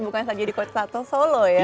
bukan saja di kota solo ya